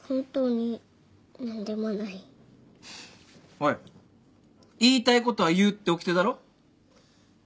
おい言いたいことは言うっておきてだろ？